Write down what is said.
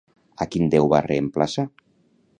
A quin déu va reemplaçar?